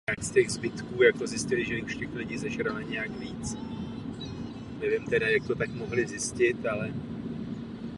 Během této doby se situace v této oblasti zásadně změnila.